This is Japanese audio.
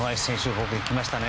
ここでいきましたね。